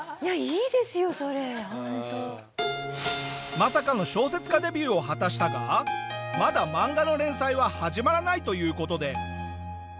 まさかの小説家デビューを果たしたがまだ漫画の連載は始まらないという事で。